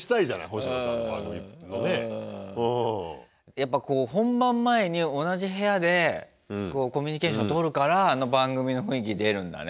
やっぱ本番前に同じ部屋でコミュニケーションとるからあの番組の雰囲気出るんだね。